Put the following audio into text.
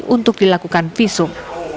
untuk dilakukan visum